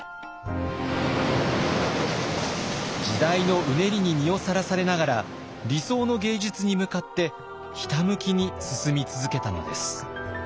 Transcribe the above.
時代のうねりに身をさらされながら理想の芸術に向かってひたむきに進み続けたのです。